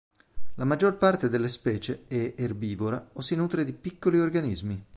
La maggior parte delle specie è erbivora o si nutre di piccoli organismi.